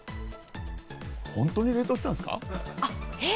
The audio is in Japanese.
本当に冷凍したんですか？